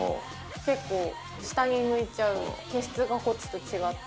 結構下に向いちゃう毛質がこっちと違って。